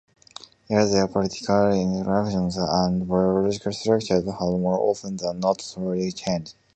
Yet, their political institutional, and biological structures had more often than not thoroughly changed.